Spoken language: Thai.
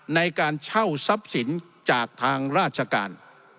ในการเช่าทรัพย์สินจากทางราชการ